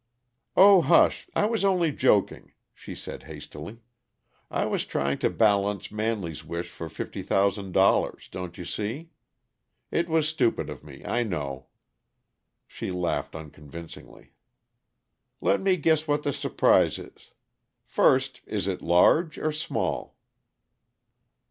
"Oh, hush! I was only joking," she said hastily. "I was trying to balance Manley's wish for fifty thousand dollars, don't you see? It was stupid of me, I know." She laughed unconvincingly. "Let me guess what the surprise is. First, is it large or small?"